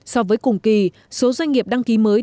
so với cùng kỳ số doanh nghiệp đăng ký mới